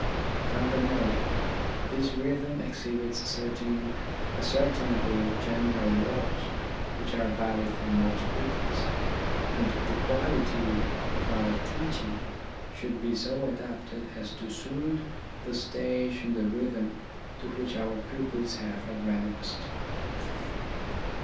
Furthermore, this rhythm exhibits certain ascertainable general laws which are valid for most pupils, and the quality of our teaching should be so adapted as to suit the stage in the 30 THE RHYTHM OF EDUCATION rhythm to which our pupils have advanced.